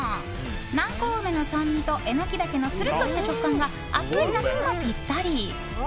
南高梅の酸味とエノキダケのつるっとした食感が暑い夏にもぴったり！